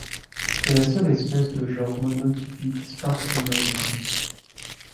C'est la seule espèce de genre monotypique Spartonoica.